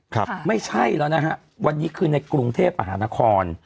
ครับไม่ใช่แล้วนะฮะวันนี้คือในกรุงเทพมหานคร